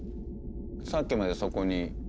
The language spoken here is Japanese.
さっきまでそこに。